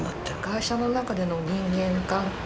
会社の中での人間関係。